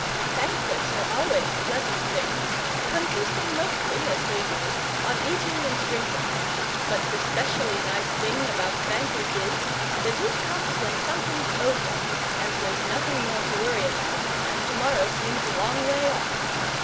Banquets are always pleasant things, consisting mostly, as they do, of eating and drinking; but the specially nice thing about a banquet is, that it comes when something's over, and there's nothing more to worry about, and to morrow seems a long way off.